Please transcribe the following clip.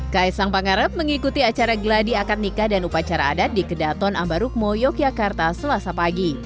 kaisang pangarep mengikuti acara geladi akad nikah dan upacara adat di kedaton ambarukmo yogyakarta selasa pagi